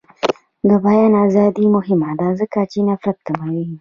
د بیان ازادي مهمه ده ځکه چې نفرت کموي.